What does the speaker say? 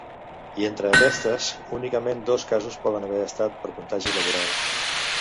I entre aquestes, únicament dos casos poden haver estat per contagi laboral.